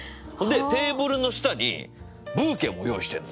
テーブルの下にブーケも用意してんの。